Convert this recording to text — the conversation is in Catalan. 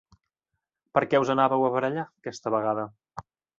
Per què us anàveu a barallar, aquesta vegada?